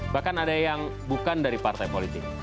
bahkan ada yang bukan dari partai politik